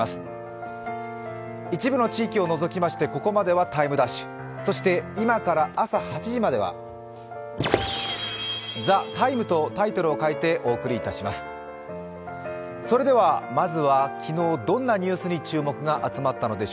一部の地域を除きまして、ここまでは「ＴＩＭＥ’」そして今から朝８時までは「ＴＨＥＴＩＭＥ，」とタイトルを変えてお送りします。